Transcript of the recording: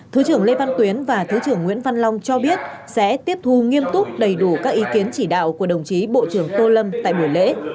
thứ trưởng lê văn tuyến và thứ trưởng nguyễn văn long cho biết sẽ tiếp thu nghiêm túc đầy đủ các ý kiến chỉ đạo của đồng chí bộ trưởng tô lâm tại buổi lễ